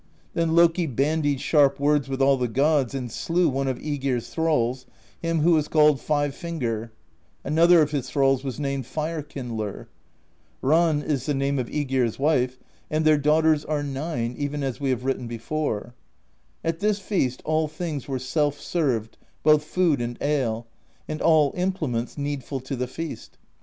Then Loki bandied sharp words with all the gods, and slew one of iEgir's thralls, him who was called Five Finger; another of his thralls was named Fire Kindler. Ran is the name of iEgir's wife, and their daughters are nine, even as we have written before. At this feast all things were self served, both food and ale, and all implements needful to the feast.